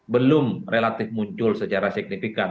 belum relatif muncul secara signifikan